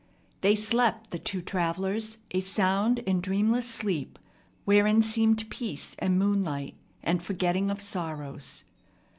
They slept, the two travellers, a sound and dreamless sleep, wherein seemed peace and moonlight, and a forgetting of sorrows.